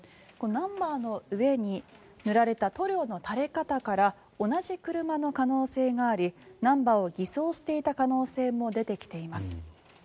このナンバーの上に塗られた塗料の垂れ方から同じ車の可能性がありナンバーを偽装していた可能性も出てきています。